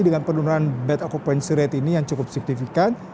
dengan penurunan bed occupancy rate ini yang cukup signifikan